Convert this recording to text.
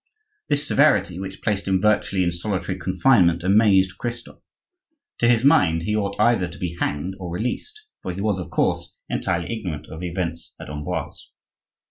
This severity, which placed him virtually in solitary confinement, amazed Christophe. To his mind, he ought either to be hanged or released; for he was, of course, entirely ignorant of the events at Amboise.